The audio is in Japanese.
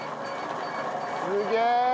すげえ！